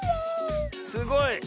すごい。